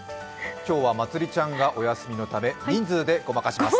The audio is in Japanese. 今日はまつりちゃんがお休みのため人数でごまかします。